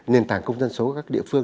nền tảng công dân số của các địa phương